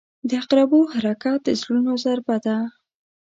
• د عقربو حرکت د زړونو ضربه ده.